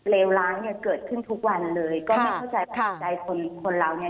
เลวร้ายเนี่ยเกิดขึ้นทุกวันเลยก็ไม่เข้าใจปัจจัยคนคนเราเนี่ย